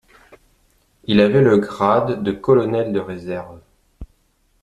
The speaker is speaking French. Il avait le grade de colonel de la réserve.